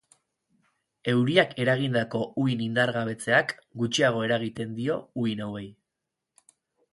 Euriak eragindako uhin-indargabetzeak gutxiago eragiten dio uhin hauei.